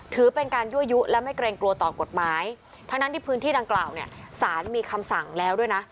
ถือเป็นการยั่วยุและไม่เกรงกลัวต่อกฎหมายทั้งนั้นที่พื้นที่ดังกล่าวเนี่ยสารมีคำสั่งแล้วด้วยนะ